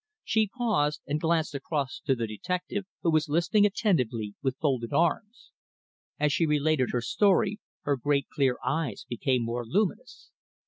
She paused and glanced across to the detective, who was listening attentively with folded arms. As she related her story her great clear eyes became more luminous.